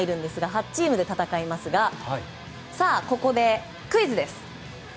８チームで戦いますがここでクイズです！